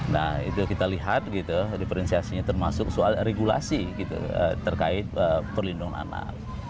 nah itu kita lihat gitu diferensiasinya termasuk soal regulasi gitu terkait perlindungan anak